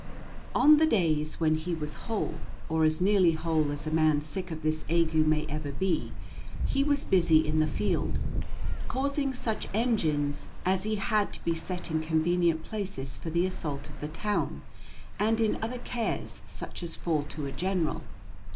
On the days when he was whole, or as nearly whole as a man sick of this ague may ever be, he was busy in the field, causing such engines as he had to be set in convenient places for the assault of the town, and in other cares such as fall to a general.